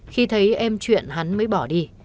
khi thấy em chuyện hắn mới bỏ đi